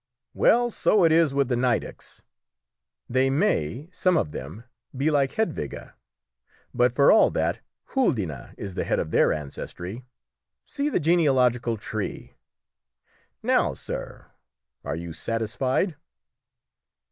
"Well, so it is with the Nidecks. They may some of them be like Hedwige, but for all that Huldine is the head of their ancestry. See the genealogical tree. Now, sir, are you satisfied?"